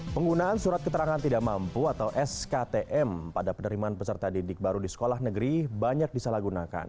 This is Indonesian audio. penggunaan surat keterangan tidak mampu atau sktm pada penerimaan peserta didik baru di sekolah negeri banyak disalahgunakan